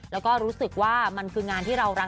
แล้วก็รู้สึกว่ามันคืองานที่เรารัก